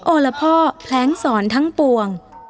โอละพ่อแผลงสอนทั้งปวง